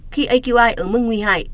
khi aqi ở mức nguy hại